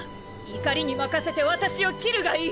怒りにまかせて私を斬るがいい！！